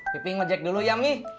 pipi ngejek dulu ya mi